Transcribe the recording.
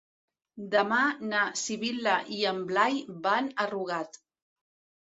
Demà na Sibil·la i en Blai van a Rugat.